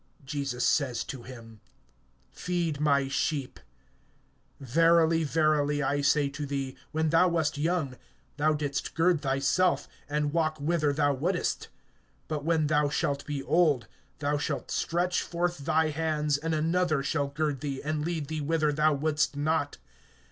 Jesus says to him: Feed my sheep. (18)Verily, verily, I say to thee, when thou wast young, thou didst gird thyself, and walk whither thou wouldst; but when thou shalt be old, thou shalt stretch forth thy hands, and another shall gird thee, and lead thee whither thou wouldst not.